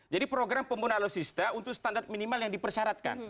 jadi program pembunuh alusista untuk standar minimal yang dipersyaratkan